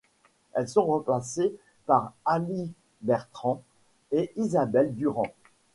Elles sont remplacés par Allie Bertram et Isabel Durant.